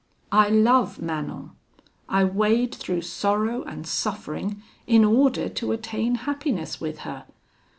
I love Manon: I wade through sorrow and suffering in order to attain happiness with her.